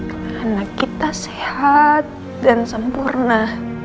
karena kita sehat dan sempurna